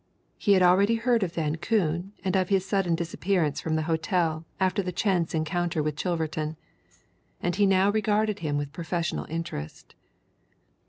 He had already heard of Van Koon and of his sudden disappearance from the hotel after the chance encounter with Chilverton, and he now regarded him with professional interest.